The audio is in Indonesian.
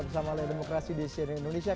bersama laya demokrasi di sri indonesia